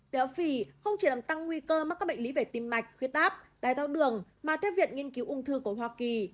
béo phì không chỉ làm tăng nguy cơ mắc các bệnh lý về tim mạch khuyết áp đai thao đường mà theo viện nghiên cứu ung thư của hoa kỳ